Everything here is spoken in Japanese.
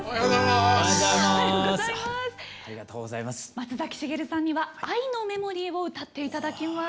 松崎しげるさんには「愛のメモリー」を歌って頂きます。